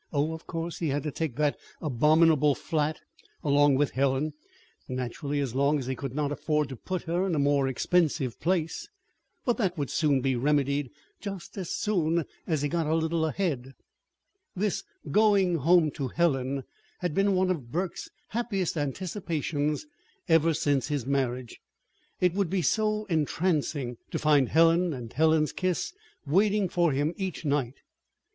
Oh, of course, he had to take that abominable flat along with Helen naturally, as long as he could not afford to put her in a more expensive place. But that would soon be remedied just as soon as he got a little ahead. This "going home to Helen" had been one of Burke's happiest anticipations ever since his marriage. It would be so entrancing to find Helen and Helen's kiss waiting for him each night!